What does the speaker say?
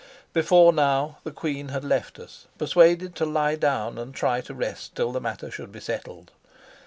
Before now the queen had left us, persuaded to lie down and try to rest till the matter should be settled.